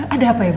ada apa ibu